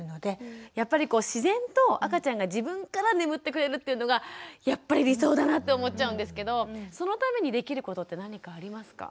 やっぱりこう自然と赤ちゃんが自分から眠ってくれるというのがやっぱり理想だなって思っちゃうんですけどそのためにできることって何かありますか？